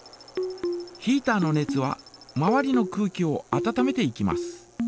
ヒータの熱は周りの空気を温めていきます。